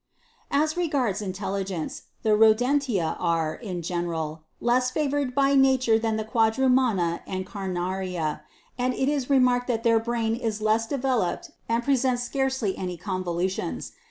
(Plate 4.fg. 11.) 18. As regards intelligence, the Rodentia are, in general, less favoured by nature than the quadrumana and carnaria, and it is remarked that their brain is less developed and presents scarcely any convolutions.